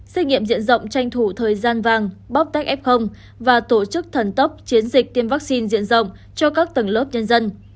xét nghiệm diện rộng tranh thủ thời gian vàng bóc tách f và tổ chức thần tốc chiến dịch tiêm vaccine diện rộng cho các tầng lớp nhân dân